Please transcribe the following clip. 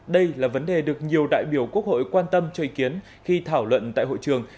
đây là vấn đề được nhiều đại biểu quốc hội quan tâm cho ý kiến khi thảo luận tại hội trường